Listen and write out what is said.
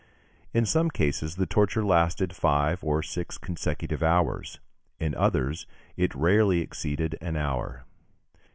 In some cases the torture lasted five or six consecutive hours; in others, it rarely exceeded an hour.